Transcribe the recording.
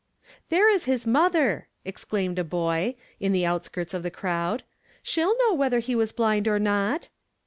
" There is his mother I " excLaimed a boy, in the outskirts of the crowd. " She'll know whether he was blind or not."